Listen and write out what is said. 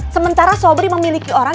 sementara sobri memiliki orang